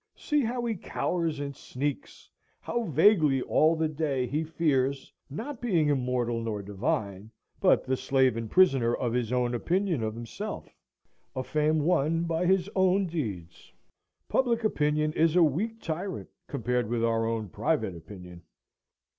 See how he cowers and sneaks, how vaguely all the day he fears, not being immortal nor divine, but the slave and prisoner of his own opinion of himself, a fame won by his own deeds. Public opinion is a weak tyrant compared with our own private opinion.